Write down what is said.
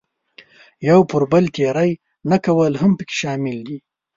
یو پر بل تېری نه کول هم پکې شامل دي.